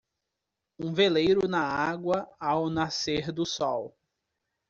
Um veleiro na água ao nascer do sol.